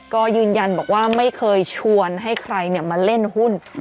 ก็ยืนยันบอกว่าไม่เคยชวนให้ใครมาเล่นหุ้น